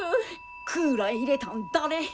クーラー入れたん誰？